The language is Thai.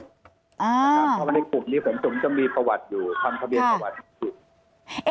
เพราะว่าในกลุ่มนี้ผมจะมีประวัติอยู่ทำทะเบียนประวัติอยู่